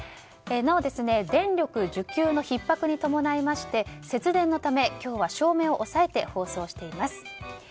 なお、電力需給のひっ迫に伴い節電のため今日は照明を抑えて放送しています。